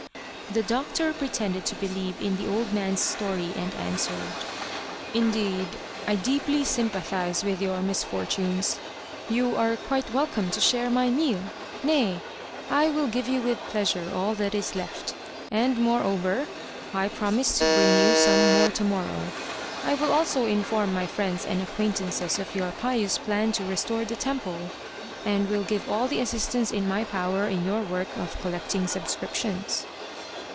The doctor pretended to believe in the old man's story, and answered :" Indeed, I deeply sympathize with your misfor tunes. You are quite welcome to share my meal nay, I will give you with pleasure all that is left, and, moreover, I promise to bring you some more to morrow. I will also inform my friends and acquaint ances of your pious plan to restore the temple, and will give all the assistance in my power in your work of collecting subscriptions."